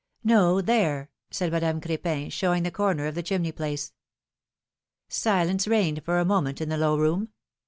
No ; there," said Madame Cr^pin, showing the corner of the chimney place. Silence reigned for a moment in the' low room.